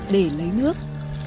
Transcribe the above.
để lấy nước